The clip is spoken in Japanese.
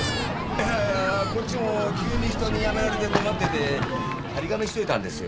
いやいやこっちも急に人に辞められて困ってて貼り紙しといたんですよ。